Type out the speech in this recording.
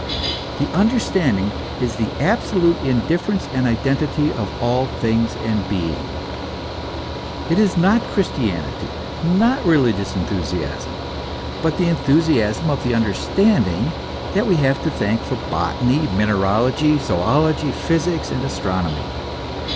The understanding is the absolute indifference and identity of all things and beings. It is not Christianity, not religious enthu siasm, but the enthusiasm of the understanding that we have to thank for botany, mineralogy, zoology, physics, and astro nomy.